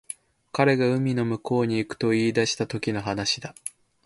彼が海の向こうに行くと言い出したときの話だ